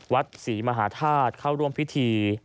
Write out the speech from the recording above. วัดศรีมหาธาตุเข้าร่วมพิธี